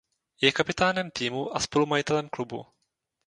Je kapitánem týmu a spolumajitelem klubu.